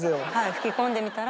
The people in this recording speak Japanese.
吹き込んでみたら。